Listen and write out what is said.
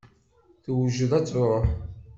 Tewjed ad truḥ.